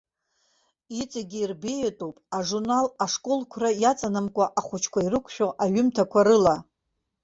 Иҵегьы ирбеиатәуп ажурнал ашколқәра иаҵанамкуа ахәыҷқәа ирықәшәо аҩымҭақәа рыла.